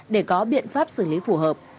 để có biện pháp xử lý phù hợp